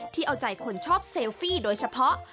เอาใจคนชอบเซลฟี่โดยเฉพาะ